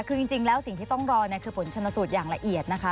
คือจริงแล้วสิ่งที่ต้องรอคือผลชนสูตรอย่างละเอียดนะคะ